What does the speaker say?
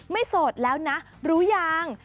ไม่โสดแล้วนะรู้อย่าง